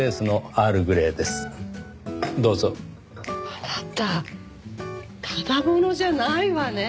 あなたただ者じゃないわね。